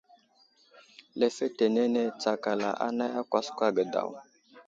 Lefetenene tsakala anay a kwaskwa ge daw.